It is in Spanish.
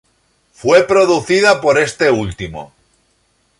Fue producida por este último.